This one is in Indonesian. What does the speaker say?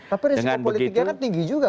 tapi resiko politiknya tinggi juga